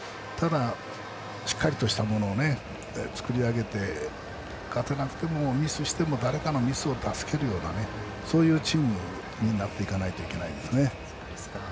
しっかりとしたものを作り上げて勝てなくても、ミスしても誰かのミスを助けるようなそういうチームになっていかないといけないですね。